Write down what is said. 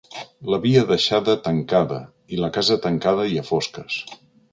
L'havia deixada tancada, i la casa tancada i a fosques.